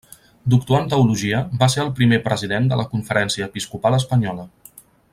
Doctor en Teologia, va ser el primer President de la Conferència Episcopal Espanyola.